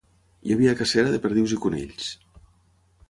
Hi havia cacera de perdius i conills.